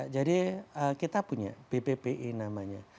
jadi kita punya bpbi namanya